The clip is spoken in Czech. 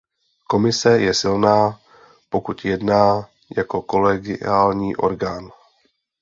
Komise je silná, pokud jedná jako kolegiální orgán.